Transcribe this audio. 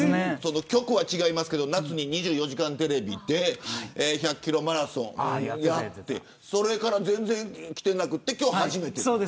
局は違いますが夏に２４時間テレビで１００キロマラソンをやってそれから全然来ていなくて今日初めて。